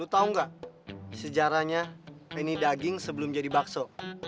lo tau nggak sejarahnya ini daging sebelum jadi bakso